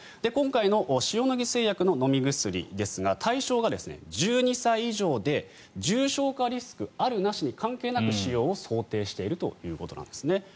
今回の塩野義製薬の飲み薬ですが対象が１２歳以上で重症化リスクあるなしに関係なく使用を想定しているということなんですね。